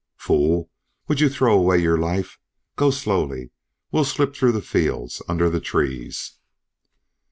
"Fool! Would you throw away your life? Go slowly. We'll slip through the fields, under the trees."